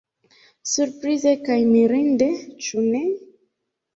Surprize kaj mirinde, ĉu ne?